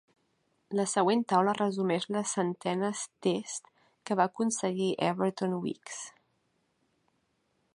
La següent taula resumeix les centenes Test que va aconseguir Everton Weekes.